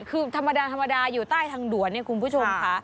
คือธรรมดาอยู่ใต้ทางด่วนเนี่ยคุณผู้ชมค่ะ